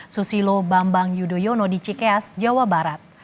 susilo bambang yudhoyono di cikeas jawa barat